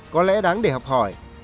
có lẽ đáng để học hỏi